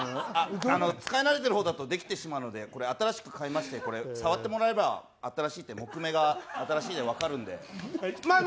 使い慣れている方だとできてしまうので、これ、新しくて買いまして、触ってもらえれば木目が新しいんで分かるんで。